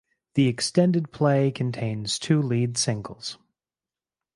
The extended play contains two lead singles.